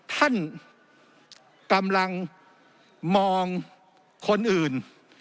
ท่านกำลังมองคนอื่น